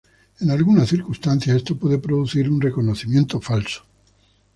En algunas circunstancias esto puede producir un reconocimiento falso.